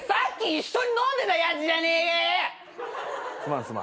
すまんすまん。